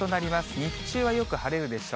日中はよく晴れるでしょう。